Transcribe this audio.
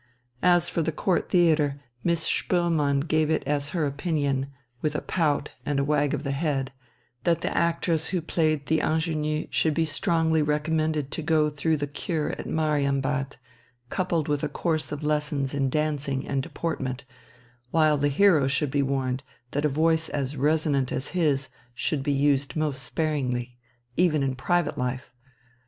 As for the Court Theatre, Miss Spoelmann gave it as her opinion, with a pout and a wag of the head, that the actress who played the ingénue should be strongly recommended to go through the cure at Marienbad, coupled with a course of lessons in dancing and deportment, while the hero should be warned that a voice as resonant as his should be used most sparingly, even in private life....